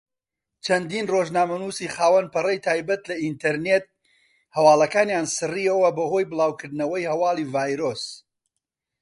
چەندین ڕۆژنامەنووسی خاوەن پەڕەی تایبەت لە ئینتەرنێت هەواڵەکانیان سڕیەوە بەهۆی بڵاوکردنەوەی هەواڵی ڤایرۆسی کۆڕۆنا.